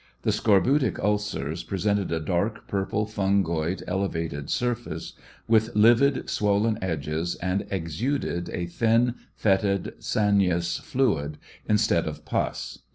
The scorbutic ulcers presented a dark, purple fungoid, elevated surface, with livid swollen edges, and exuded a thin, fetid, sanious fluid, instead of pus.